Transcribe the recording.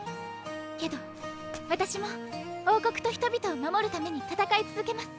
けど私も王国と人々を守るために戦い続けます。